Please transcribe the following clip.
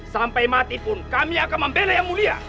sampai mati pun kami akan membela yang mulia